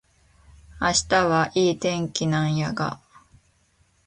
明日はいい天気なんやが